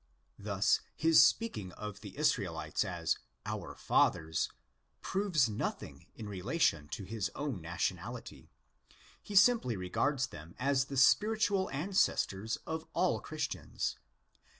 Thus his speaking of the Israelites as '' our fathers "' proves nothing in relation to his own nationality. He simply regards them as the spiritual ancestors of all Christians.